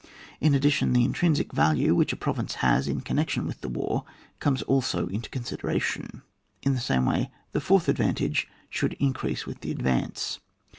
In addition, the intrinsic value which a province has in connection with the war comes also into consideration. In the same way the fourth advantage should increase with the advance.